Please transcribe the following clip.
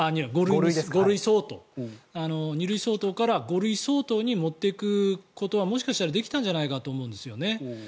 ２類相当から５類相当に持っていくことはもしかしたらできたんじゃないかと思うんですよね。